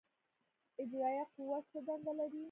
اجرائیه قوه څه دنده لري؟